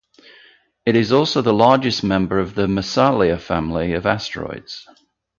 It is also the largest member of the Massalia family of asteroids.